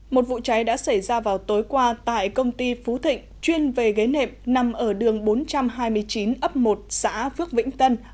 một vụ cháy đã xảy ra vào tối qua tại công ty phú thịnh chuyên về ghế nệm nằm ở đường bốn trăm hai mươi chín ấp một xã phước vĩnh tân